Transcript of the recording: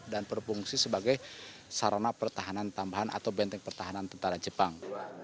dan berfungsi sebagai sarana pertahanan tambahan atau benteng pertahanan tentara jepang